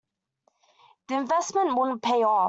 This investment won't pay off.